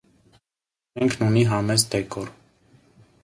Շենքն ունի համեստ դեկոր։